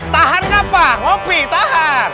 tahan gak pak ngopi tahan